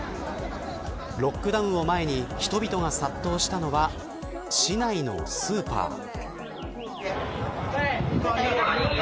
ロックダウンを前に人々が殺到したのは市内のスーパー。